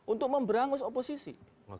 untuk memberangus oposisi